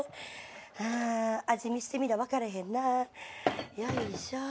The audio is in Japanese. ハァ味見してみな分からへんなよいしょ。